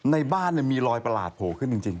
ในบ้านมีรอยประหลาดโผล่ขึ้นจริง